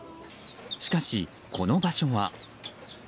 しかし、この場所は。